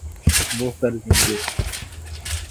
وہ کر دیں گے۔